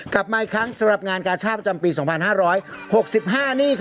กลับมาอีกครั้งสำหรับงานกาชาติประจำปี๒๕๖๕นี่